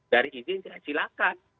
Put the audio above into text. dari izin silahkan